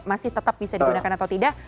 masih tetap bisa digunakan atau tidak